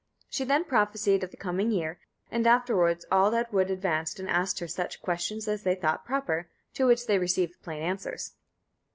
She then prophesied of the coming year, and afterwards, all that would advanced and asked her such questions as they thought proper, to which they received plain answers."